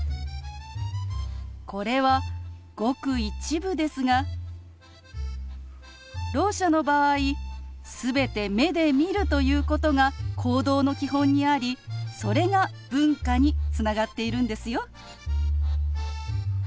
これはごく一部ですがろう者の場合全て目で見るということが行動の基本にありそれが文化につながっているんですよ。